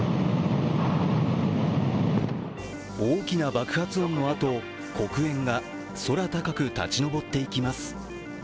大きな爆発音のあと黒煙が空高く立ち上っていきます。